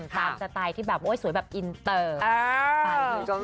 ตามสไตล์ที่สวยแบบอินเติร์น